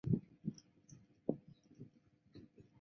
谢学锦是目前中国最了不得的勘察地球化学家。